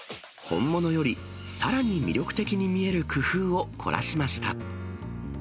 本物よりさらに魅力的に見える工夫を凝らしました。